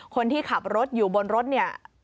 คนที่ขับรถอยู่บนรถเนี่ย